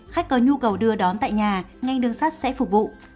khách có nhu cầu đưa đón tại nhà ngành đường sắt sẽ phục vụ